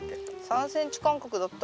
３ｃｍ間隔だったら。